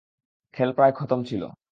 খেল প্রায় খতম ছিল।